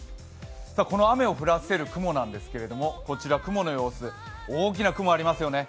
この雨を降らせる雲なんですがこちら雲の様子、大きな雲ありますよね。